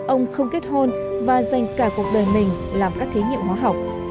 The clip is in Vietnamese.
ông không kết hôn và dành cả cuộc đời mình làm các thí nghiệm hóa học